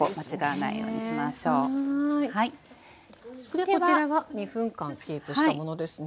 でこちらが２分間キープしたものですね。